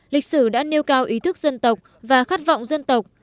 lịch sử đã nêu cao ý thức dân tộc và khát vọng dân tộc